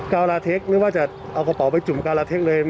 การลาเทคนึกว่าจะเอากระเป๋าไปจุ่มกาลาเทคเลย